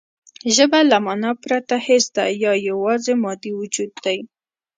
ژبه له مانا پرته هېڅ ده یا یواځې مادي وجود دی